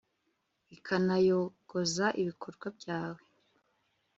ikanayogoza ibikorwa byawe